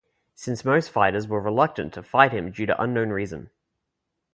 Since most wrestlers were reluctant to fight him due to unknown reason.